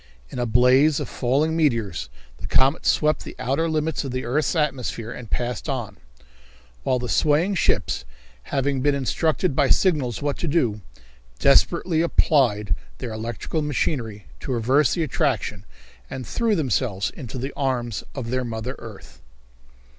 In a blaze of falling meteors the comet swept the outer limits of the earth's atmosphere and passed on, while the swaying ships, having been instructed by signals what to do, desperately applied their electrical machinery to reverse the attraction and threw themselves into the arms of their mother earth.